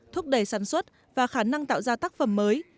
thúc đẩy sản xuất và khả năng tạo ra tác phẩm mới